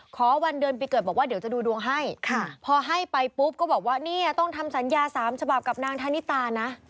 ขอวันเดือนปีเกิดบอกว่าเดี๋ยวจะดูดวงให้พอให้ไปปุ๊บก็บอกว่าเนี่ยต้องทำสัญญา๓ฉบับกับนางธนิตานะ